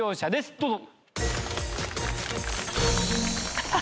どうぞ。